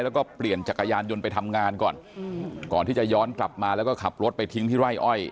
แล้วก็เปลี่ยนจักรยานยนต์ไปทำงานก่อนก่อนที่จะย้อนกลับมาแล้วก็ขับรถไปทิ้งที่ไร่อ้อย